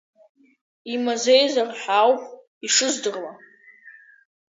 Имазеизар ҳәа ауп ишыздыруа.